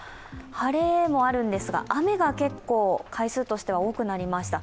晴れもあるんですが、雨が結構回数としては多くなりました。